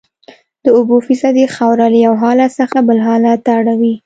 د اوبو فیصدي خاوره له یو حالت څخه بل حالت ته اړوي